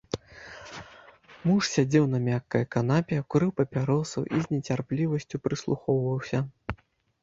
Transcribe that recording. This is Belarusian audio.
Муж сядзеў на мяккай канапе, курыў папяросу і з нецярплівасцю прыслухоўваўся.